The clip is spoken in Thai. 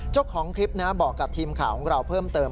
เจ้าของคลิปบอกกับทีมข่าวของเราเพิ่มเติม